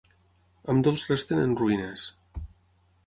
Ambdós resten en ruïnes.